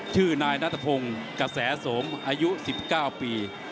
ชื่อนายนัทพงศ์กระแสสมอายุ๑๙ปี